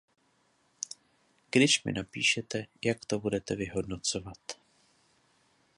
Když mi napíšete, jak to budete vyhodnocovat.